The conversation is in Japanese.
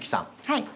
はい。